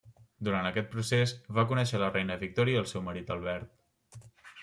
Durant aquest procés, va conèixer la reina Victòria i el seu marit Albert.